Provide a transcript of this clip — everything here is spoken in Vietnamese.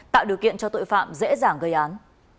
tạo điều kiện cho tội phạm dễ dàng gây án